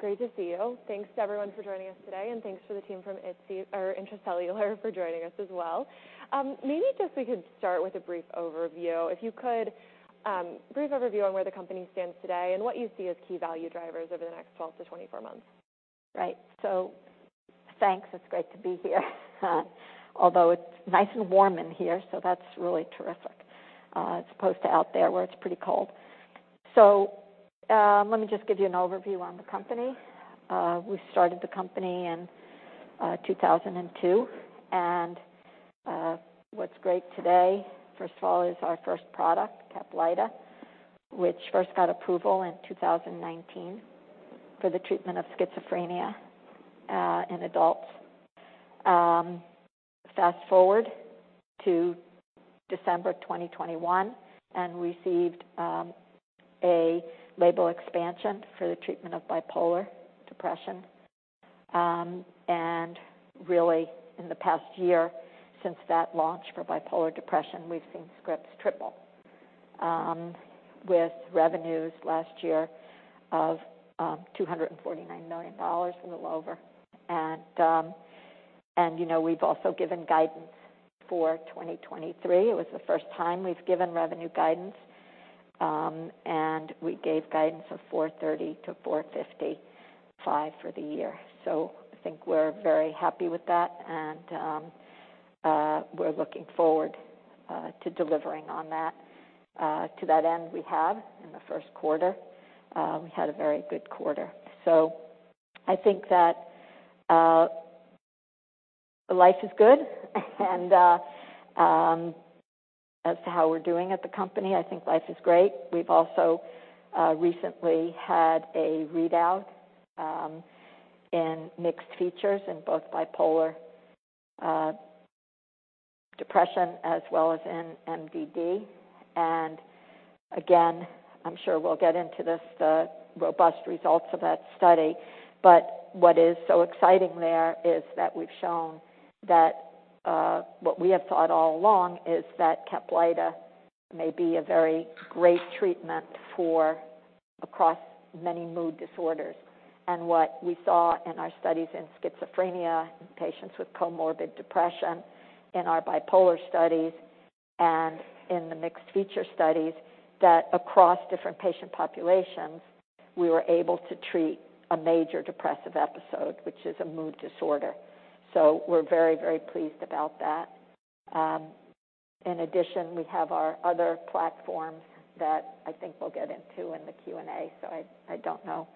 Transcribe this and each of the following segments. Great to see you. Thanks, everyone, for joining us today, and thanks for the team from Itsy or Intra-Cellular for joining us as well. Maybe just we could start with a brief overview. If you could, brief overview on where the company stands today and what you see as key value drivers over the next 12-24 months. Right. Thanks. It's great to be here. Although it's nice and warm in here, that's really terrific, as opposed to out there, where it's pretty cold. Let me just give you an overview on the company. We started the company in 2002. What's great today, first of all, is our first product, CAPLYTA, which first got approval in 2019 for the treatment of schizophrenia in adults. Fast-forward to December 2021, received a label expansion for the treatment of bipolar depression. Really, in the past year, since that launch for bipolar depression, we've seen scripts triple with revenues last year of $249 million, a little over. You know, we've also given guidance for 2023.It was the first time we've given revenue guidance, we gave guidance of $430 million-$455 million for the year. I think we're very happy with that, we're looking forward to delivering on that. To that end, we have, in the first quarter, we had a very good quarter. I think that life is good, as to how we're doing at the company, I think life is great. We've also recently had a readout in mixed features in both bipolar depression as well as in MDD. Again, I'm sure we'll get into this, the robust results of that study. What is so exciting there is that we've shown that what we have thought all along is that CAPLYTA may be a very great treatment for across many mood disorders. What we saw in our studies in schizophrenia, in patients with comorbid depression, in our bipolar studies, and in the mixed feature studies, that across different patient populations, we were able to treat a major depressive episode, which is a mood disorder. We're very, very pleased about that. In addition, we have our other platforms that I think we'll get into in the Q&A. I don't know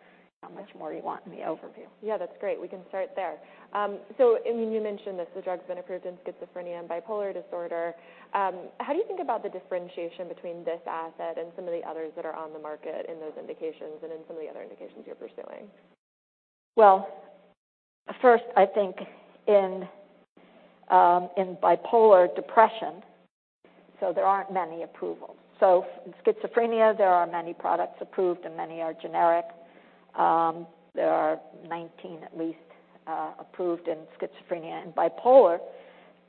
how much more you want in the overview. Yeah, that's great. We can start there. I mean, you mentioned this, the drug's been approved in schizophrenia and bipolar disorder. How do you think about the differentiation between this asset and some of the others that are on the market in those indications and in some of the other indications you're pursuing? First, I think in bipolar depression, there aren't many approvals. In schizophrenia, there are many products approved, and many are generic. There are 19 at least approved in schizophrenia. In bipolar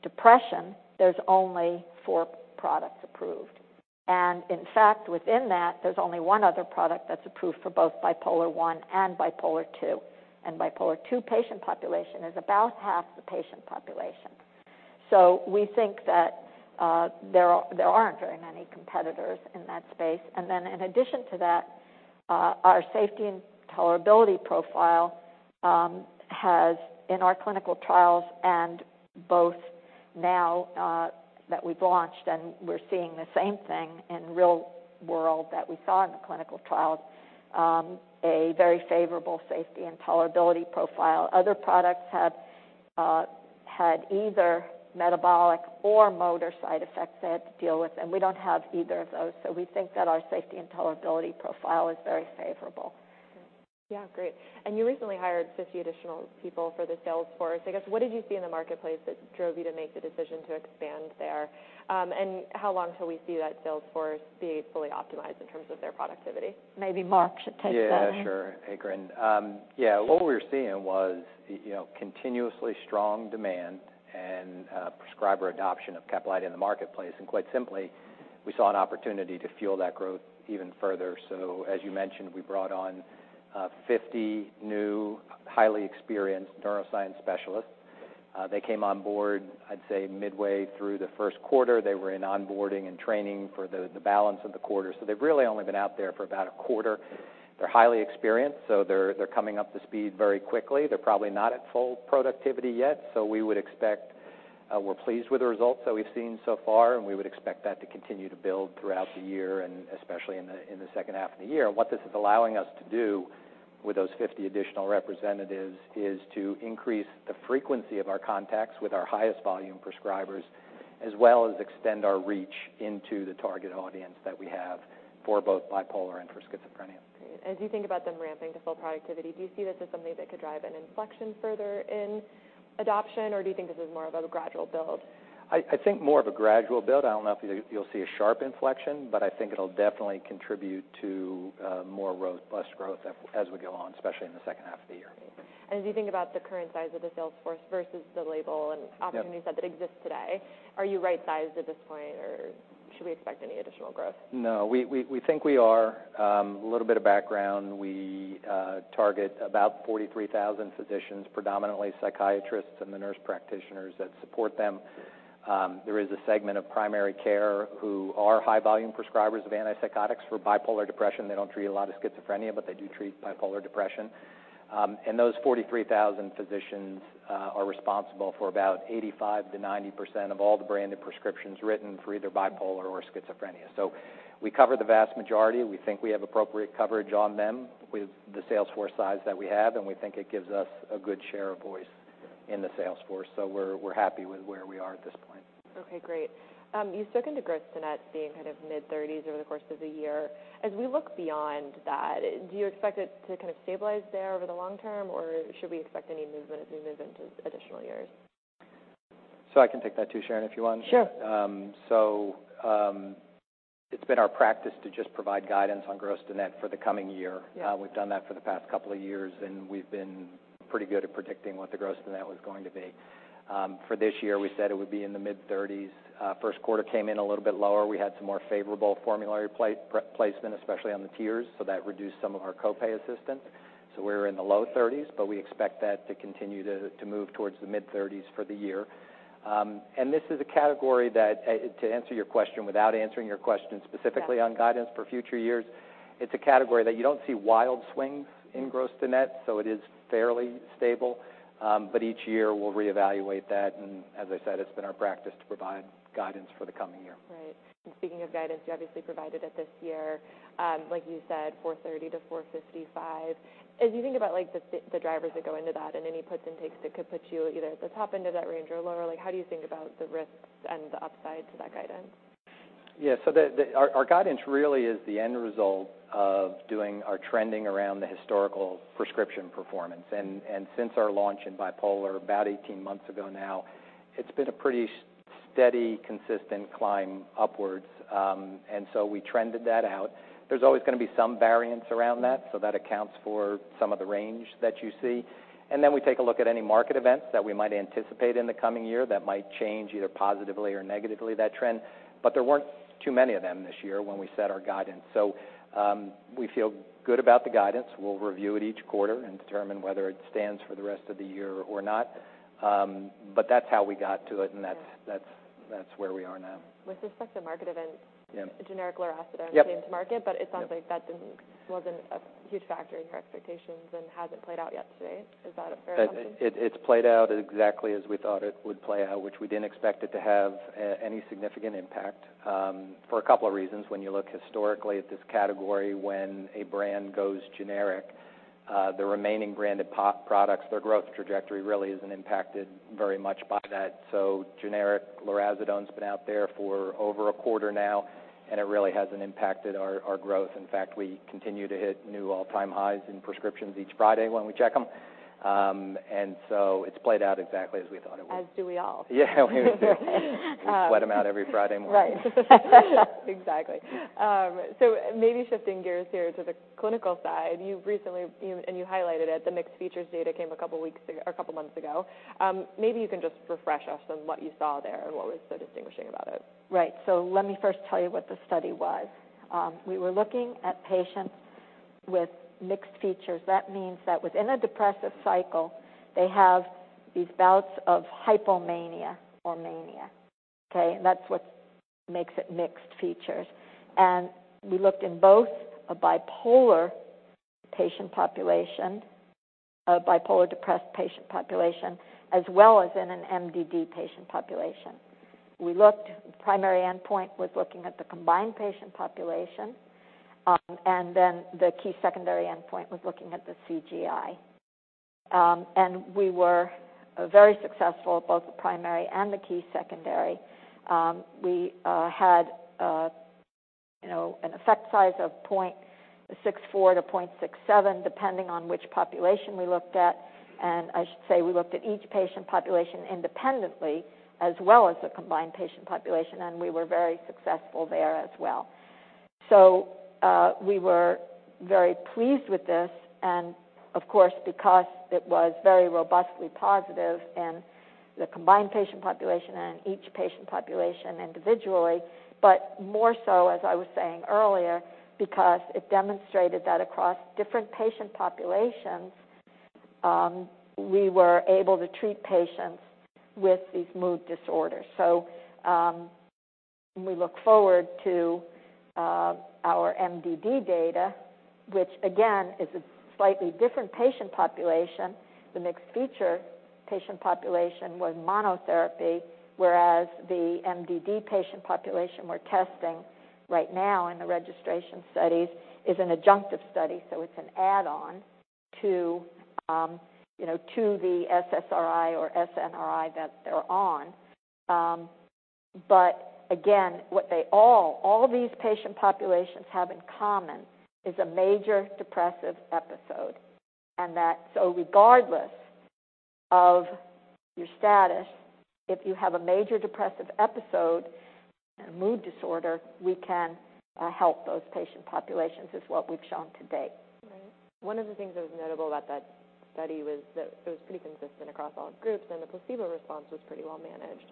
depression, there's only four products approved, and in fact, within that, there's only one other product that's approved for both Bipolar I and Bipolar II. Bipolar II patient population is about half the patient population. We think that there aren't very many competitors in that space. In addition to that, our safety and tolerability profile has, in our clinical trials and both now that we've launched and we're seeing the same thing in real world that we saw in the clinical trials, a very favorable safety and tolerability profile. Other products have had either metabolic or motor side effects they had to deal with. We don't have either of those. We think that our safety and tolerability profile is very favorable. Yeah, great. You recently hired 50 additional people for the sales force. I guess, what did you see in the marketplace that drove you to make the decision to expand there? How long till we see that sales force be fully optimized in terms of their productivity? Maybe Mark should take that. Yeah, sure, Ingrid. Yeah, what we were seeing was, you know, continuously strong demand and prescriber adoption of CAPLYTA in the marketplace. Quite simply, we saw an opportunity to fuel that growth even further. As you mentioned, we brought on 50 new, highly experienced neuroscience specialists. They came on board, I'd say, midway through the first quarter. They were in onboarding and training for the balance of the quarter, so they've really only been out there for about a quarter. They're highly experienced, so they're coming up to speed very quickly. They're probably not at full productivity yet, so we would expect... We're pleased with the results that we've seen so far, and we would expect that to continue to build throughout the year and especially in the second half of the year. What this is allowing us to do with those 50 additional representatives is to increase the frequency of our contacts with our highest volume prescribers, as well as extend our reach into the target audience that we have for both bipolar and for schizophrenia. Great. As you think about them ramping to full productivity, do you see this as something that could drive an inflection further in adoption, or do you think this is more of a gradual build? I think more of a gradual build. I don't know if you'll see a sharp inflection, but I think it'll definitely contribute to more robust growth as we go on, especially in the second half of the year. As you think about the current size of the sales force versus the label. Yep. Opportunities that exist today, are you right-sized at this point, or should we expect any additional growth? No, we think we are. A little bit of background, we target about 43,000 physicians, predominantly psychiatrists and the nurse practitioners that support them. There is a segment of primary care who are high-volume prescribers of antipsychotics for bipolar depression. They don't treat a lot of schizophrenia, but they do treat bipolar depression. Those 43,000 physicians are responsible for about 85%-90% of all the branded prescriptions written for either bipolar or schizophrenia. We cover the vast majority. We think we have appropriate coverage on them with the salesforce size that we have, and we think it gives us a good share of voice in the sales force. We're happy with where we are at this point. Okay, great. You've spoken to gross to net being kind of mid-thirties over the course of the year. As we look beyond that, do you expect it to kind of stabilize there over the long term, or should we expect any movement as we move into additional years? I can take that too, Sharon, if you want. Sure. It's been our practice to just provide guidance on gross to net for the coming year. Yeah. We've done that for the past couple of years, and we've been pretty good at predicting what the gross to net was going to be. For this year, we said it would be in the mid-30s. First quarter came in a little bit lower. We had some more favorable formulary placement, especially on the tiers, so that reduced some of our co-pay assistance. We're in the low 30s, but we expect that to continue to move towards the mid-30s for the year. This is a category that... to answer your question, without answering your question specifically... Yeah on guidance for future years, it's a category that you don't see wild swings in gross to net, so it is fairly stable. Each year, we'll reevaluate that, and as I said, it's been our practice to provide guidance for the coming year. Right. And speaking of guidance, you obviously provided it this year. Like you said, $430 million-$455 million. As you think about, like, the drivers that go into that and any puts and takes that could put you either at the top end of that range or lower, like, how do you think about the risks and the upside to that guidance? Our guidance really is the end result of doing our trending around the historical prescription performance. Since our launch in bipolar, about 18 months ago now, it's been a pretty steady, consistent climb upwards. We trended that out. There's always gonna be some variance around that, so that accounts for some of the range that you see. Then we take a look at any market events that we might anticipate in the coming year that might change, either positively or negatively, that trend. There weren't too many of them this year when we set our guidance. We feel good about the guidance. We'll review it each quarter and determine whether it stands for the rest of the year or not. That's how we got to it. Yeah That's where we are now. With respect to market events. Yeah. generic lurasidone Yep came to market, but it sounds like- Yeah that didn't, wasn't a huge factor in your expectations and hasn't played out yet today. Is that a fair assumption? It's played out exactly as we thought it would play out, which we didn't expect it to have any significant impact, for a couple of reasons. When you look historically at this category, when a brand goes generic, the remaining branded products, their growth trajectory really isn't impacted very much by that. Generic lurasidone's been out there for over a quarter now, and it really hasn't impacted our growth. In fact, we continue to hit new all-time highs in prescriptions each Friday when we check them. It's played out exactly as we thought it would. As do we all. Yeah, we do. Um- We sweat them out every Friday morning. Right. Exactly. Maybe shifting gears here to the clinical side. You've recently highlighted it, the mixed features data came a couple weeks ago, or a couple months ago. Maybe you can just refresh us on what you saw there and what was so distinguishing about it. Let me first tell you what the study was. We were looking at patients with mixed features. That means that within a depressive cycle, they have these bouts of hypomania or mania. Okay? That's what makes it mixed features. We looked in both a bipolar patient population, a bipolar depressed patient population, as well as in an MDD patient population. The primary endpoint was looking at the combined patient population, and then the key secondary endpoint was looking at the CGI. We were very successful at both the primary and the key secondary. We had a, you know, an effect size of 0.64-0.67, depending on which population we looked at. I should say, we looked at each patient population independently, as well as the combined patient population, and we were very successful there as well. We were very pleased with this, and of course, because it was very robustly positive in the combined patient population and in each patient population individually, but more so, as I was saying earlier, because it demonstrated that across different patient populations, we were able to treat patients with these mood disorders. We look forward to our MDD data, which again is a slightly different patient population. The mixed feature patient population was monotherapy, whereas the MDD patient population we're testing right now in the registration studies is an adjunctive study, so it's an add-on to, you know, to the SSRI or SNRI that they're on. Again, all these patient populations have in common, is a major depressive episode. That regardless of your status, if you have a major depressive episode and a mood disorder, we can help those patient populations, is what we've shown to date. Right. One of the things that was notable about that study was that it was pretty consistent across all groups, and the placebo response was pretty well managed.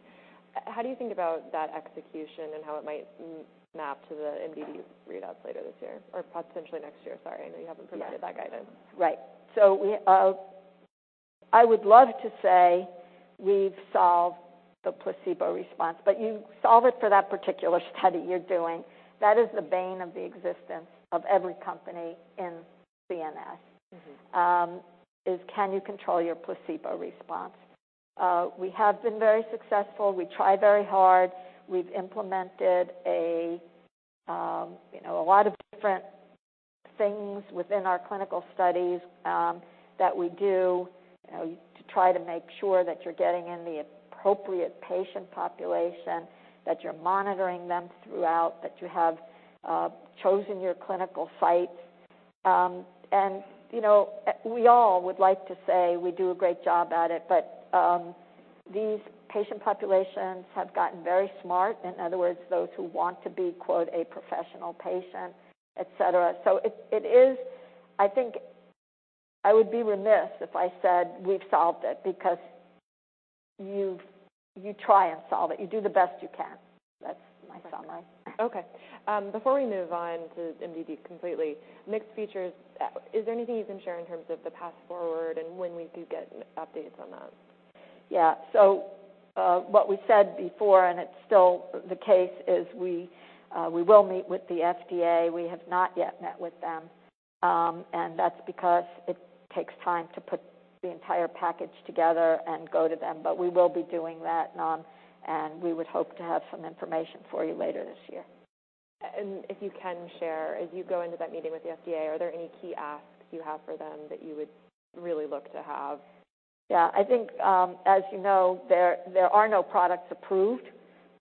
How do you think about that execution and how it might map to the MDD readouts later this year or potentially next year? Sorry, I know you haven't provided that guidance. Right. We, I would love to say we've solved the placebo response, but you solve it for that particular study you're doing. That is the bane of the existence of every company in CNS- Mm-hmm Is can you control your placebo response? We have been very successful. We try very hard. We've implemented a, you know, a lot of different things within our clinical studies, that we do, you know, to try to make sure that you're getting in the appropriate patient population, that you're monitoring them throughout, that you have chosen your clinical sites. You know, we all would like to say we do a great job at it, but these patient populations have gotten very smart. In other words, those who want to be, quote, "a professional patient," et cetera. It is. I think I would be remiss if I said we've solved it, because you try and solve it. You do the best you can. That's my summary. Before we move on to MDD completely, mixed features, is there anything you can share in terms of the path forward and when we could get updates on that? Yeah. What we said before, and it's still the case, is we will meet with the FDA. We have not yet met with them, and that's because it takes time to put the entire package together and go to them. We will be doing that, and we would hope to have some information for you later this year. If you can share, as you go into that meeting with the FDA, are there any key asks you have for them that you would really look to have? Yeah. I think, as you know, there are no products approved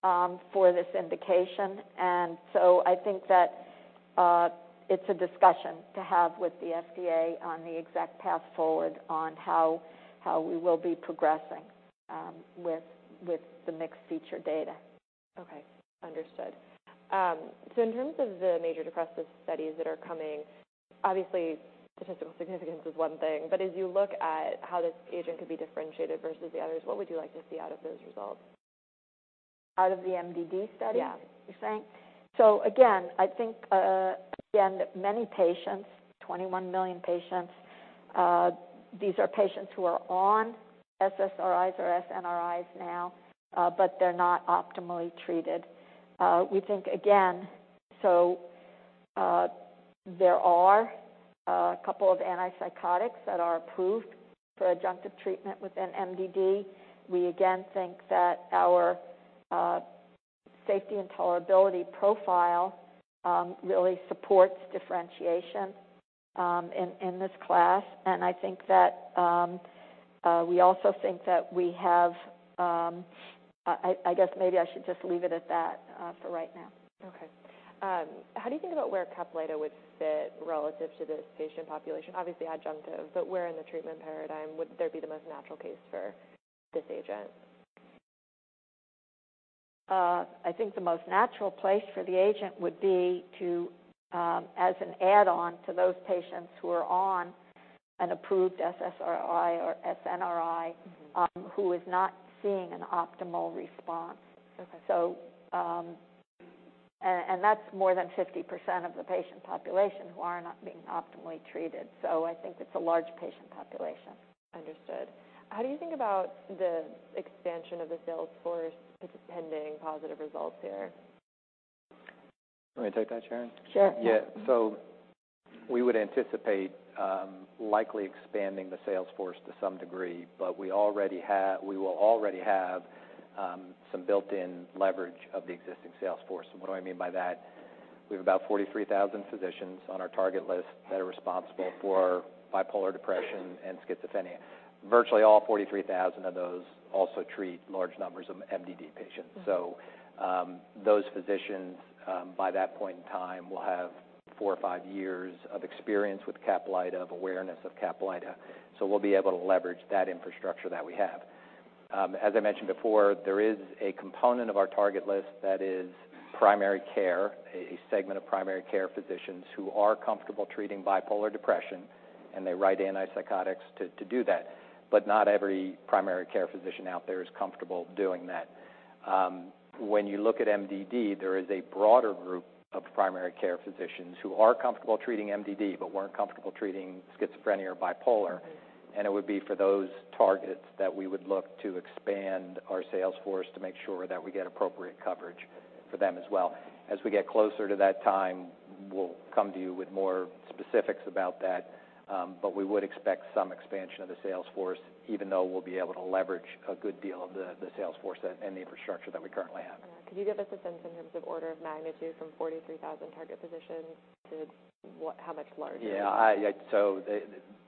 for this indication. I think that it's a discussion to have with the FDA on the exact path forward on how we will be progressing with the mixed feature data. Okay, understood. In terms of the major depressive studies that are coming, obviously, statistical significance is one thing, but as you look at how this agent could be differentiated versus the others, what would you like to see out of those results? Out of the MDD study. Yeah you're saying? Again, I think, again, many patients, 21 million patients, these are patients who are on SSRIs or SNRIs now, but they're not optimally treated. We think, again, there are a couple of antipsychotics that are approved for adjunctive treatment within MDD. We, again, think that our safety and tolerability profile really supports differentiation in this class. I think that we also think that we have. I guess maybe I should just leave it at that for right now. Okay. How do you think about where CAPLYTA would fit relative to this patient population? Obviously adjunctive, where in the treatment paradigm would there be the most natural case for this agent? I think the most natural place for the agent would be to, as an add-on to those patients who are on an approved SSRI or SNRI. Mm-hmm Who is not seeing an optimal response. Okay. That's more than 50% of the patient population who are not being optimally treated, so I think it's a large patient population. Understood. How do you think about the expansion of the sales force pending positive results here? You want me to take that, Sharon? Sure. Yeah. We would anticipate likely expanding the sales force to some degree, but we will already have some built-in leverage of the existing sales force. What do I mean by that? We have about 43,000 physicians on our target list that are responsible for bipolar depression and schizophrenia. Virtually, all 43,000 of those also treat large numbers of MDD patients. Mm-hmm. Those physicians, by that point in time, will have four or five years of experience with CAPLYTA, of awareness of CAPLYTA, so we'll be able to leverage that infrastructure that we have. As I mentioned before, there is a component of our target list that is primary care, a segment of primary care physicians who are comfortable treating bipolar depression, and they write antipsychotics to do that. Not every primary care physician out there is comfortable doing that. When you look at MDD, there is a broader group of primary care physicians who are comfortable treating MDD but weren't comfortable treating schizophrenia or bipolar, and it would be for those targets that we would look to expand our sales force to make sure that we get appropriate coverage for them as well. As we get closer to that time, we'll come to you with more specifics about that, but we would expect some expansion of the sales force, even though we'll be able to leverage a good deal of the sales force and the infrastructure that we currently have. Could you give us a sense in terms of order of magnitude from 43,000 target physicians to what, how much larger? Yeah,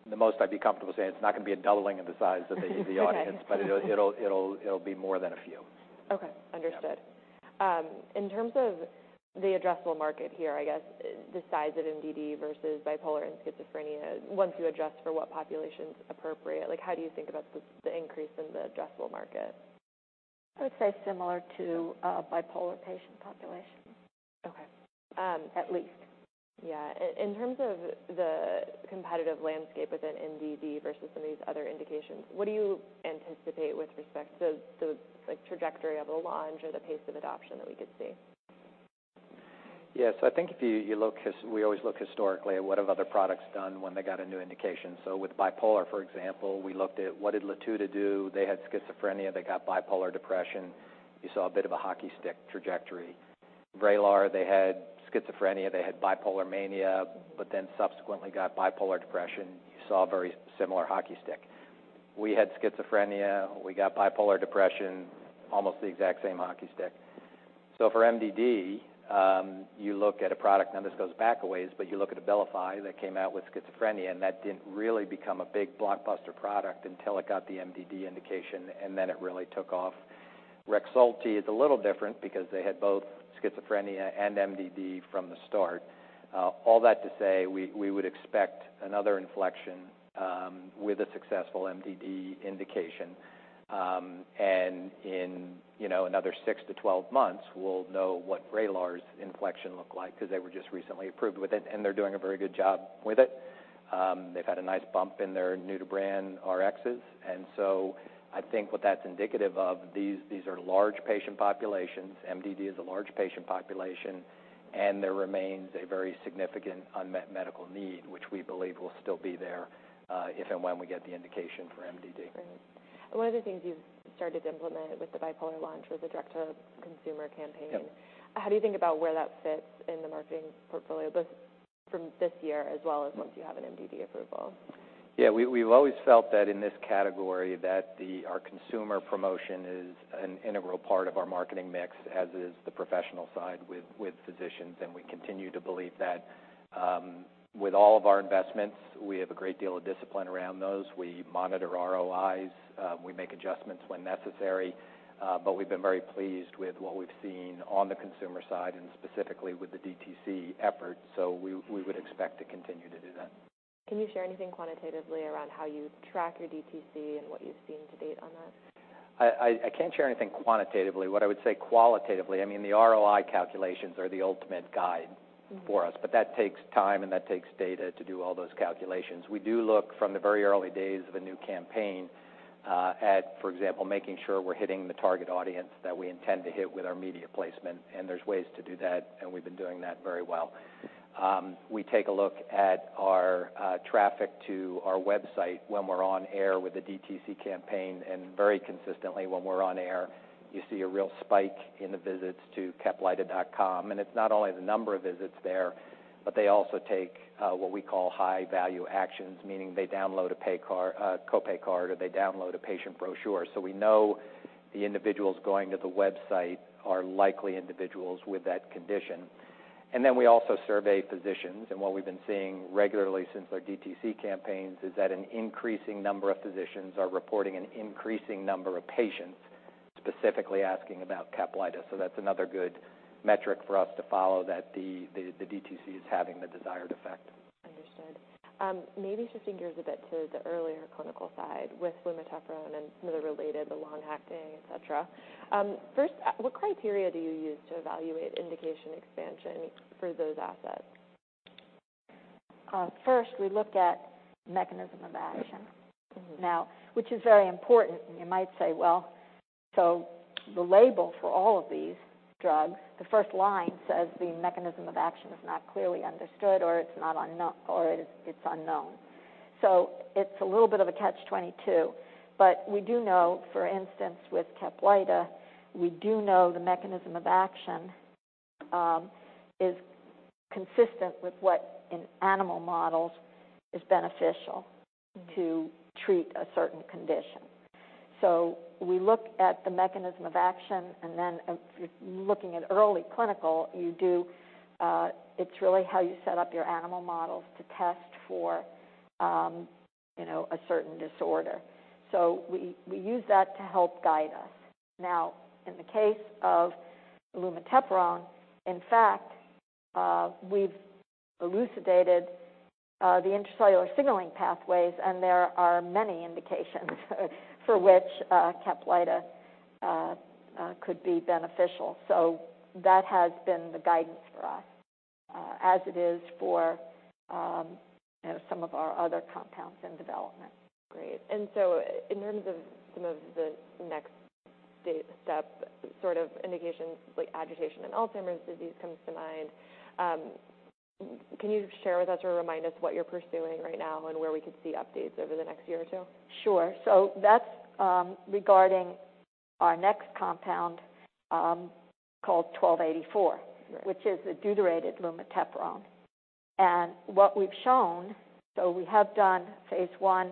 the most I'd be comfortable saying, it's not going to be a doubling of the size of the audience. Okay. It'll be more than a few. Okay. Understood. In terms of the addressable market here, I guess the size of MDD versus bipolar and schizophrenia, once you adjust for what population is appropriate, like, how do you think about the increase in the addressable market? I would say similar to bipolar patient population. Okay. At least. Yeah. in terms of the competitive landscape within MDD versus some of these other indications, what do you anticipate with respect to the, like, trajectory of the launch or the pace of adoption that we could see? Yes, I think if you look, we always look historically at what have other products done when they got a new indication. With bipolar, for example, we looked at what did Latuda do? They had schizophrenia, they got bipolar depression. You saw a bit of a hockey stick trajectory. VRAYLAR, they had schizophrenia, they had bipolar mania, subsequently got bipolar depression. You saw a very similar hockey stick. We had schizophrenia, we got bipolar depression, almost the exact same hockey stick. For MDD, you look at a product, now this goes back a ways, but you look at Abilify that came out with schizophrenia, that didn't really become a big blockbuster product until it got the MDD indication, it really took off. REXULTI is a little different because they had both schizophrenia and MDD from the start. All that to say, we would expect another inflection with a successful MDD indication. In, you know, another 6-12 months, we'll know what VRAYLAR's inflection looked like because they were just recently approved with it, and they're doing a very good job with it. They've had a nice bump in their new-to-brand Rx's. I think what that's indicative of, these are large patient populations. MDD is a large patient population, there remains a very significant unmet medical need, which we believe will still be there if and when we get the indication for MDD. Great. One of the things you've started to implement with the bipolar launch was a direct-to-consumer campaign. Yep. How do you think about where that fits in the marketing portfolio, both from this year as well as once you have an MDD approval? Yeah, we've always felt that in this category, that our consumer promotion is an integral part of our marketing mix, as is the professional side with physicians, and we continue to believe that. With all of our investments, we have a great deal of discipline around those. We monitor ROIs, we make adjustments when necessary, but we've been very pleased with what we've seen on the consumer side and specifically with the DTC efforts, we would expect to continue to do that. Can you share anything quantitatively around how you track your DTC and what you've seen to date on that? I can't share anything quantitatively. I would say qualitatively, I mean, the ROI calculations are the ultimate guide for us, but that takes time and that takes data to do all those calculations. We do look from the very early days of a new campaign, at, for example, making sure we're hitting the target audience that we intend to hit with our media placement, and there's ways to do that, and we've been doing that very well. We take a look at our traffic to our website when we're on air with a DTC campaign, and very consistently, when we're on air, you see a real spike in the visits to caplyta.com.It's not only the number of visits there, but they also take what we call high-value actions, meaning they download a co-pay card, or they download a patient brochure. We know the individuals going to the website are likely individuals with that condition. We also survey physicians, and what we've been seeing regularly since our DTC campaigns is that an increasing number of physicians are reporting an increasing number of patients specifically asking about CAPLYTA. That's another good metric for us to follow that the DTC is having the desired effect. Understood. Maybe shifting gears a bit to the earlier clinical side with lumateperone and some of the related, the long-acting, et cetera. First, what criteria do you use to evaluate indication expansion for those assets? First, we look at mechanism of action. Mm-hmm. Which is very important, and you might say, well, so the label for all of these drugs, the first line says the mechanism of action is not clearly understood or it's not unknown, or it's unknown. It's a little bit of a Catch-22. We do know, for instance, with CAPLYTA, we do know the mechanism of action is consistent with what in animal models is beneficial... Mm-hmm. To treat a certain condition. We look at the mechanism of action, and then if you're looking at early clinical, you do. It's really how you set up your animal models to test for, you know, a certain disorder. We, we use that to help guide us. Now, in the case of lumateperone, in fact, we've elucidated the intracellular signaling pathways, and there are many indications for which CAPLYTA could be beneficial. That has been the guidance for us, as it is for, you know, some of our other compounds in development. Great. In terms of some of the next step, sort of indications, like agitation and Alzheimer's disease comes to mind, can you share with us or remind us what you're pursuing right now and where we could see updates over the next year or two? Sure. That's regarding our next compound, called ITI-1284. Right. which is the deuterated lumateperone. What we've shown, we have done Phase I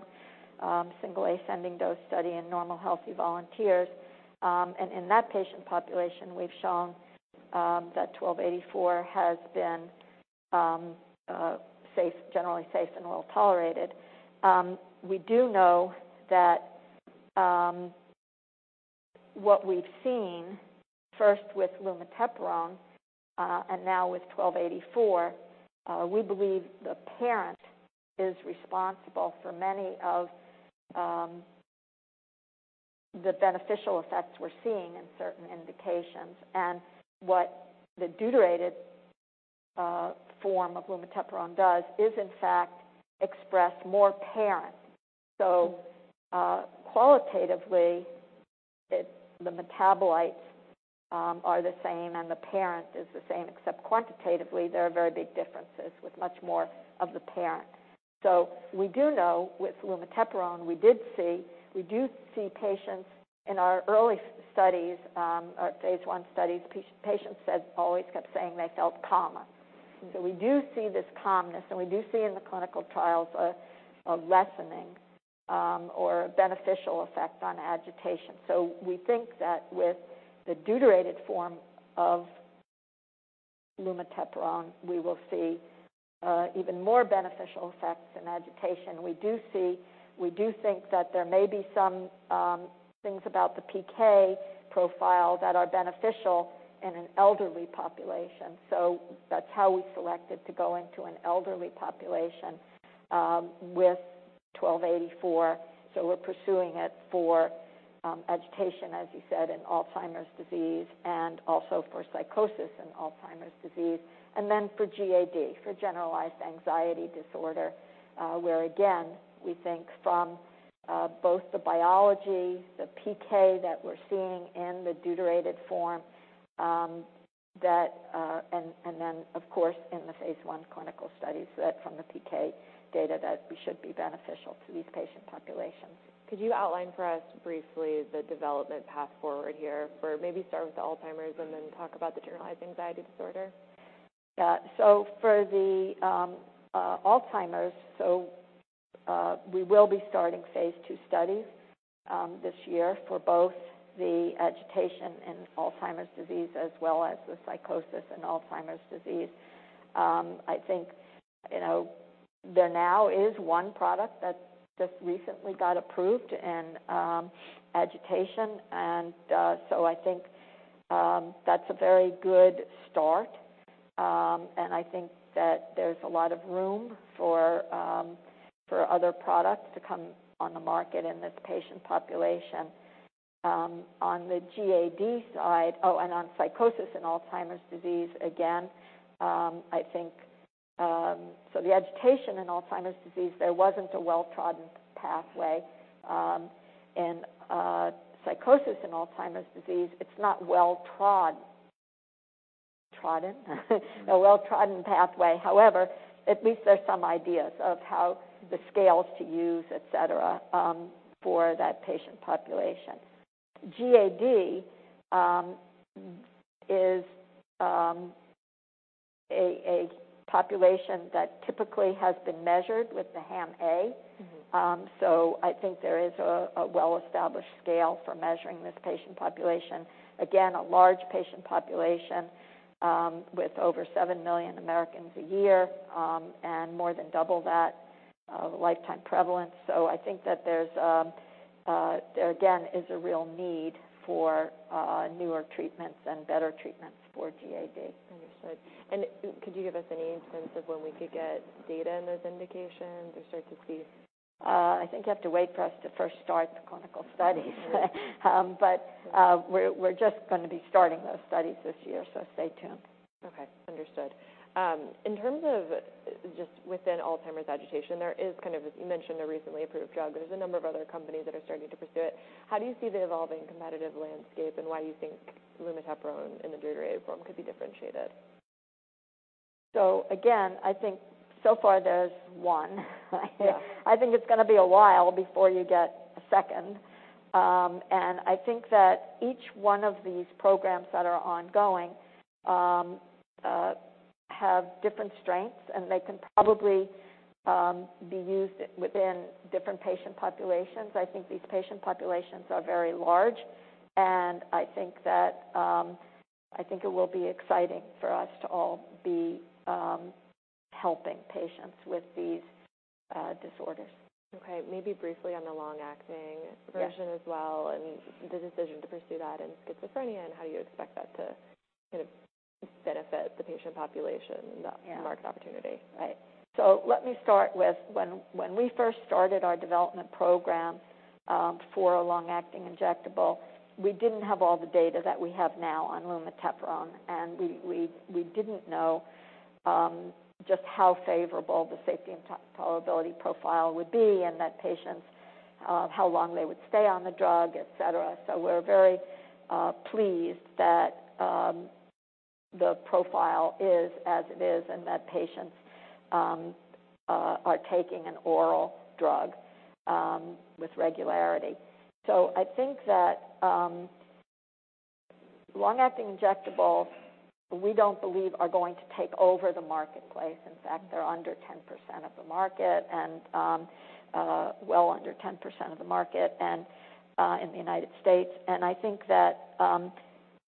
single ascending dose study in normal, healthy volunteers. In that patient population, ITI-1284 has been safe, generally safe and well tolerated. We do know that what we've seen first with lumateperone, and now with ITI-1284, we believe the parent is responsible for many of the beneficial effects we're seeing in certain indications. What the deuterated form of lumateperone does is, in fact, express more parent. Qualitatively, the metabolites are the same, and the parent is the same, except quantitatively, there are very big differences with much more of the parent. We do know with lumateperone, we did see, we do see patients in our early studies, our Phase I studies, patients said, always kept saying they felt calmer. We do see this calmness, and we do see in the clinical trials a lessening or a beneficial effect on agitation. We think that with the deuterated form of lumateperone, we will see even more beneficial effects in agitation. We do think that there may be some things about the PK profile that are beneficial in an elderly population. That's how we selected to go into an elderly population with ITI-1284. We're pursuing it for agitation, as you said, in Alzheimer's disease and also for psychosis in Alzheimer's disease, and then for GAD, for generalized anxiety disorder, where again, we think from both the biology, the PK that we're seeing in the deuterated form, and then, of course, in the Phase I clinical studies, that from the PK data, that we should be beneficial to these patient populations. Could you outline for us briefly the development path forward here? For maybe start with the Alzheimer's and then talk about the generalized anxiety disorder. Yeah. For the Alzheimer's, so we will be starting Phase II studies this year for both the agitation in Alzheimer's disease as well as the psychosis in Alzheimer's disease. I think, you know, there now is one product that just recently got approved in agitation, and so I think that's a very good start. I think that there's a lot of room for other products to come on the market in this patient population. On the GAD side, on psychosis in Alzheimer's disease, again, I think so the agitation in Alzheimer's disease, there wasn't a well-trodden pathway. Psychosis in Alzheimer's disease, it's not well trod, trodden, a well-trodden pathway. However, at least there's some ideas of how the scales to use, et cetera, for that patient population. GAD is a population that typically has been measured with the HAM-A. Mm-hmm. I think there is a well-established scale for measuring this patient population. Again, a large patient population, with over 7 million Americans a year, and more than double that lifetime prevalence. I think that there's there again, is a real need for newer treatments and better treatments for GAD. Understood. Could you give us any sense of when we could get data in those indications or start to see? I think you have to wait for us to first start the clinical studies. All right. We're just going to be starting those studies this year, so stay tuned. Okay, understood. In terms of just within Alzheimer's agitation, there is kind of, as you mentioned, a recently approved drug. There's a number of other companies that are starting to pursue it. How do you see the evolving competitive landscape, and why you think lumateperone in the deuterated form could be differentiated? Again, I think so far there's one. Yeah. I think it's gonna be a while before you get a second. I think that each one of these programs that are ongoing have different strengths, and they can probably be used within different patient populations. I think these patient populations are very large, I think that it will be exciting for us to all be helping patients with these disorders. Okay, maybe briefly on the long-acting. Yeah Version as well, and the decision to pursue that in schizophrenia, and how you expect that to kind of benefit the patient population? Yeah The market opportunity? Right. Let me start with when we first started our development program, for a long-acting injectable, we didn't have all the data that we have now on lumateperone, and we didn't know, just how favorable the safety and tolerability profile would be in that patients, how long they would stay on the drug, et cetera. We're very pleased that the profile is as it is and that patients are taking an oral drug with regularity. I think that long-acting injectables, we don't believe are going to take over the marketplace. In fact, they're under 10% of the market and well under 10% of the market in the United States. I think that.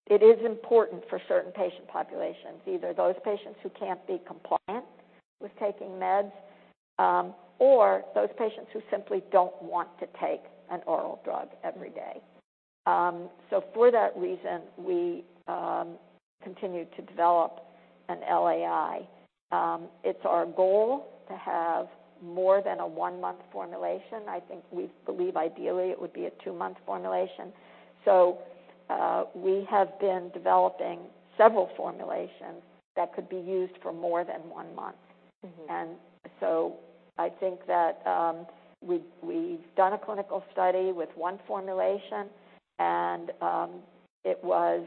It is important for certain patient populations, either those patients who can't be compliant with taking meds, or those patients who simply don't want to take an oral drug every day. For that reason, we continue to develop an LAI. It's our goal to have more than a one-month formulation. I think we believe ideally it would be a two-month formulation. We have been developing several formulations that could be used for more than one month. Mm-hmm. I think that we've done a clinical study with one formulation, and it was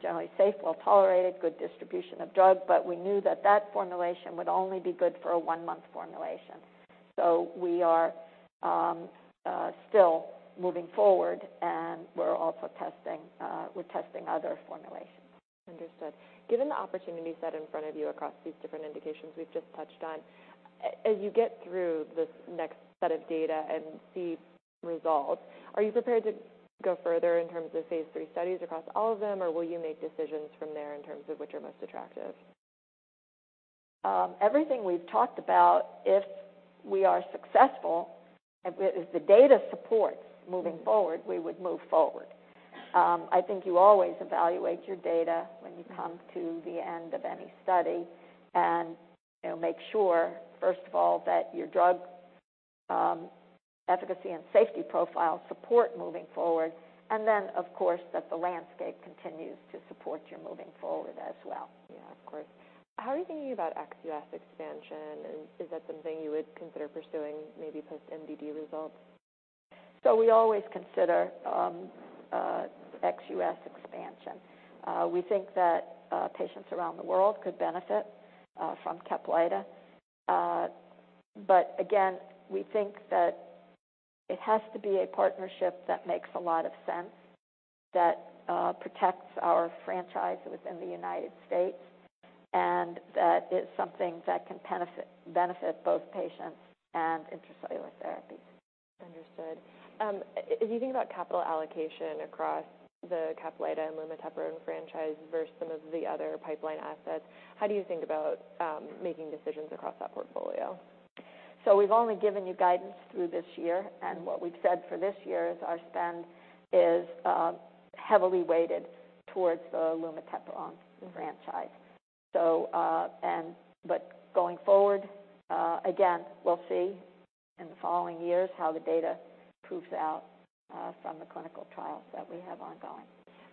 generally safe, well-tolerated, good distribution of drug, but we knew that that formulation would only be good for a one-month formulation. We are still moving forward, and we're also testing other formulations. Understood. Given the opportunity set in front of you across these different indications we've just touched on, as you get through this next set of data and see results, are you prepared to go further in terms of Phase III studies across all of them, or will you make decisions from there in terms of which are most attractive? Everything we've talked about, if we are successful, and if the data supports moving forward, Mm-hmm. We would move forward. I think you always evaluate your data when you come to the end of any study. You know, make sure, first of all, that your drug efficacy and safety profile support moving forward. Then, of course, that the landscape continues to support your moving forward as well. Yeah, of course. How are you thinking about ex-US expansion, and is that something you would consider pursuing, maybe post MDD results? We always consider ex-US expansion. We think that patients around the world could benefit from CAPLYTA. Again, we think that it has to be a partnership that makes a lot of sense, that protects our franchise within the United States, and that is something that can benefit both patients and Intra-Cellular Therapies. Understood. As you think about capital allocation across the CAPLYTA and lumateperone franchise versus some of the other pipeline assets, how do you think about making decisions across that portfolio? We've only given you guidance through this year, and what we've said for this year is heavily weighted towards the lumateperone franchise. Going forward, again, we'll see in the following years how the data proves out from the clinical trials that we have ongoing.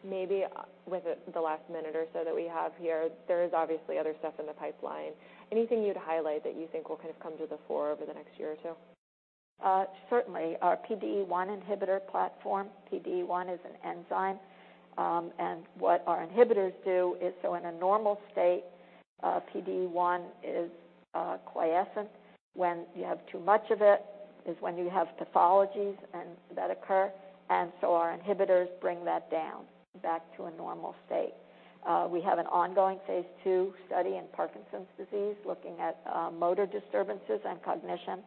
Maybe with the last minute or so that we have here, there is obviously other stuff in the pipeline. Anything you'd highlight that you think will kind of come to the fore over the next year or two? Certainly. Our PDE1 inhibitor platform. PDE1 is an enzyme, what our inhibitors do is, so in a normal state, PDE1 is quiescent. When you have too much of it, is when you have pathologies and that occur, our inhibitors bring that down, back to a normal state. We have an ongoing Phase II study in Parkinson's disease, looking at motor disturbances and cognition,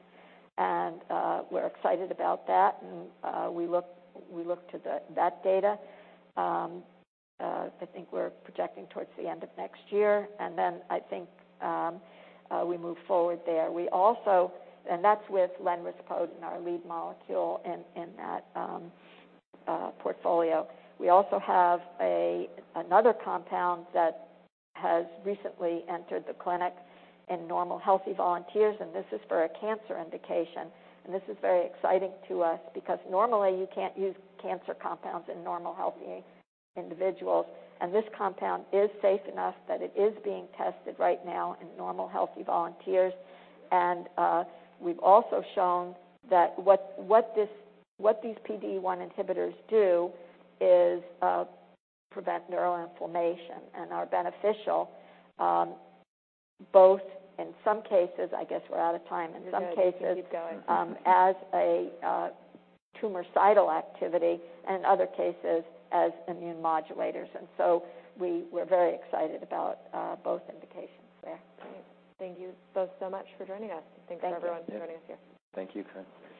and we're excited about that, and we look to that data. I think we're projecting towards the end of next year, I think we move forward there. We also... That's with lenrispodun, our lead molecule in that portfolio. We also have another compound that has recently entered the clinic in normal, healthy volunteers, this is for a cancer indication. This is very exciting to us because normally you can't use cancer compounds in normal, healthy individuals, and this compound is safe enough that it is being tested right now in normal, healthy volunteers. We've also shown that what these PDE1 inhibitors do is prevent neuroinflammation and are beneficial. I guess we're out of time. You're good. Keep going. As a tumoricidal activity, and other cases as immunomodulators, and so we're very excited about both indications there. Great. Thank you both so much for joining us. Thank you. Thanks for everyone for joining us here. Thank you.